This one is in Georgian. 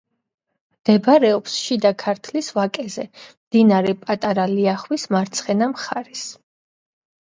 მდებარეობს შიდა ქართლის ვაკეზე, მდინარე პატარა ლიახვის მარცხენა მხარეს.